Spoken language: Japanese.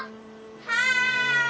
・はい！